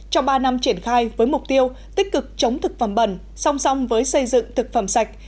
trong ba năm triển khai với mục tiêu tích cực chống thực phẩm bẩn song song với xây dựng thực phẩm sạch